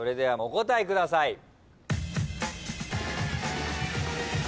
はい。